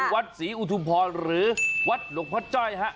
วัดศรีอุทุมพรหรือวัดหลวงพ่อจ้อยฮะ